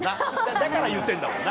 だから言ってんだもんな。